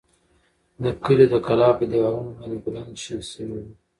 د کلي د کلا په دېوالونو باندې ګلان شنه شوي وو.